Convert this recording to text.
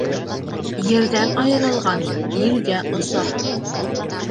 Ерҙән айырылған елгә оса.